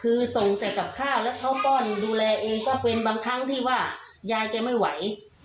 คือส่งแต่กับข้าวแล้วเขาป้อนดูแลเองก็เป็นบางครั้งที่ว่ายายแกไม่ไหว